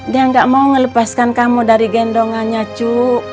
dia nggak mau ngelepaskan kamu dari gendongannya cu